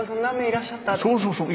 そうそうそう。